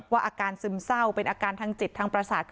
อาการซึมเศร้าเป็นอาการทางจิตทางประสาท